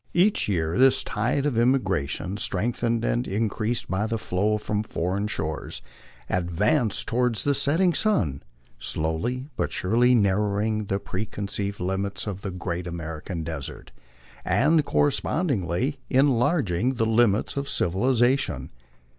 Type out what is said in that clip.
Each year this tide of emigration, strength ened and increased by the flow from foreign shores, advanced toAvard the set ting sun, slowly but surely narrowing the preconceived limits of the " Great American Desert," and correspondingly enlarging the limits of civilization.